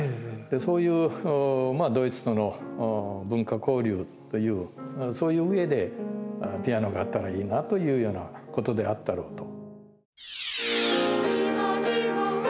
そういうドイツとの文化交流という、そういううえでピアノがあったらいいなというようなことであったろうと。